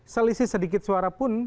selisih sedikit suara pun